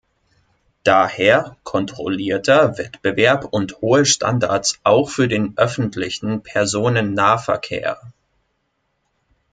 Daher kontrollierter Wettbewerb und hohe Standards auch für den öffentlichen Personennahverkehr!